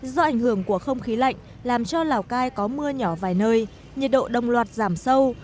do ảnh hưởng của không khí lạnh làm cho lào cai có mưa nhỏ vài nơi nhiệt độ đồng loạt giảm sâu